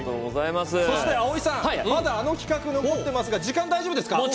青井さん、まだあの企画がありますが時間、大丈夫ですか？